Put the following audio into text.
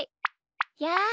やあ。